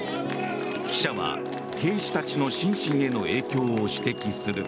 記者は兵士たちの心身への影響を指摘する。